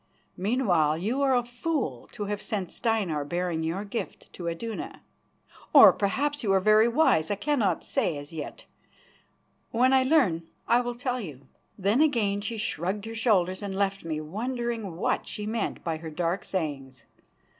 Meanwhile, you are a fool to have sent Steinar bearing your gift to Iduna. Or perhaps you are very wise. I cannot say as yet. When I learn I will tell you." Then again she shrugged her shoulders and left me wondering what she meant by her dark sayings.